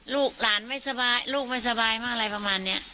ลูกหลานไม่สบายลูกไม่สบายมากอะไรประมาณนี้